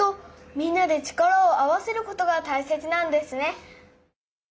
みんなで力を合わせることがたいせつなんですね。